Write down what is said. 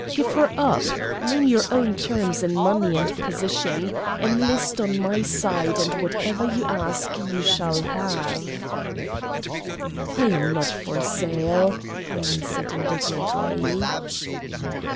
Give her up. Name your own terms in money and position. Enlist on my side, and whatever you ask you shall have." "I am not for sale," I answered indignantly.